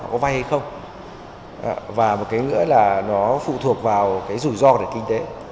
có vay hay không và một cái nữa là nó phụ thuộc vào cái rủi ro để kinh tế